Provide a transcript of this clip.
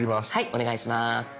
お願いします。